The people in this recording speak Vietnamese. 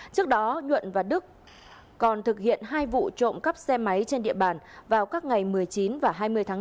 trước đó nhuận và đức còn thực hiện hai vụ trộm cắp xe máy trên địa bàn vào các ngày một mươi chín và hai mươi tháng bốn